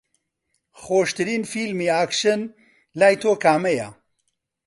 خۆشترین فیلمی ئاکشن لای تۆ کامەیە؟